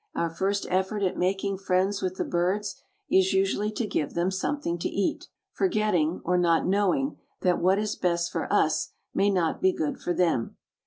Our first effort at making friends with the birds is usually to give them something to eat, forgetting or not knowing that what is best for us may not be good for them.